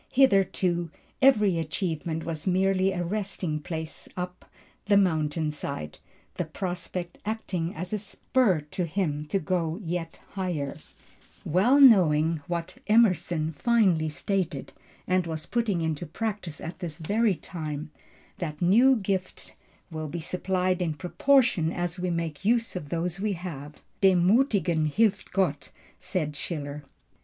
Hitherto, every achievement was merely a resting place up the mountainside, the prospect acting as a spur to him to go yet higher, well knowing what Emerson finely stated, and was putting into practice at this very time, that new gifts will be supplied in proportion as we make use of those we have. Dem Muthigen hilft Gott! said Schiller.